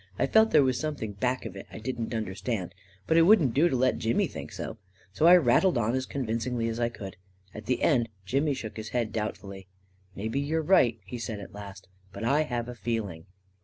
I felt there was some thing back of it I didn't understand. But it wouldn't do to let Jimmy think so. So I rattled on as con vincingly as I could. At the end, Jimmy shook his head doubtfully. "Maybe you're right," he said, at last; "but I have a feeling